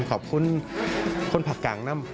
ขอบคุณคนผักกางนะ